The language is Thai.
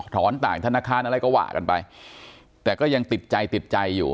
ต่างธนาคารอะไรก็ว่ากันไปแต่ก็ยังติดใจติดใจอยู่